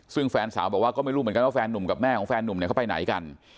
ซึ่งแฟนสาวบอกว่าก็ไม่รู้เหมือนกันว่าแฟนนุ่มกับแม่ของแฟนนุ่มเนี่ยเขาไปไหนกัน